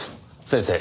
先生